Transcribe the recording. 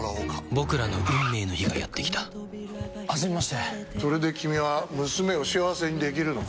僕らの運命の日がやってきた初めましてそれで君は娘を幸せにできるのか？